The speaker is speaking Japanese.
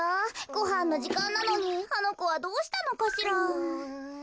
ごはんのじかんなのにあのこはどうしたのかしら？